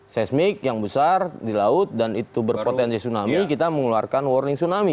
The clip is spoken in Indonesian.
seismik yang besar di laut dan itu berpotensi tsunami kita mengeluarkan warning tsunami